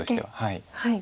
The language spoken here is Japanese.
はい。